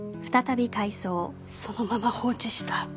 そのまま放置した